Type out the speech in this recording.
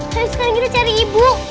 harus kan kita cari ibu